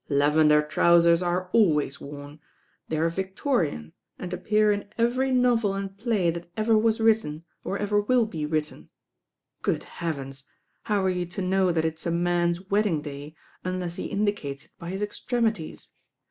"Lavender trousers are always worn. They are Victorian, and appear in every novel and play that ever was written, or ever will be written. Good heavens I how are you to know that it's a man's ■wedding day unless he indicates it by his extremities?